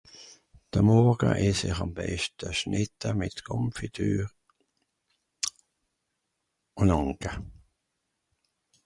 de Morga ess ich àm beschte Schnìtta mìt Komfiture un Ànka